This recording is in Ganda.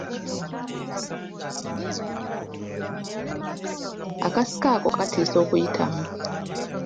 Akasiko ako katiisa okuyitamu.